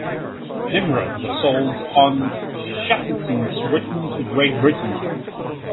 "Nimrod" was sold on Shackleton's return to Great Britain.